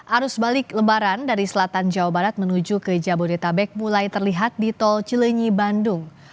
arus balik lebaran dari selatan jawa barat menuju ke jabodetabek mulai terlihat di tol cilenyi bandung